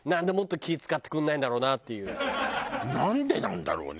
なんでなんだろうね？